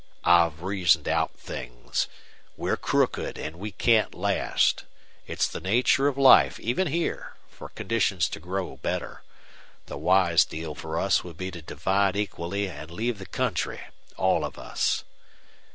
I've reasoned out things. We're crooked, and we can't last. It's the nature of life, even here, for conditions to grow better. The wise deal for us would be to divide equally and leave the country, all of us."